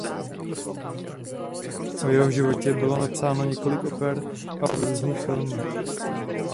O jeho životě bylo napsáno několik oper a objevil se v různých filmech.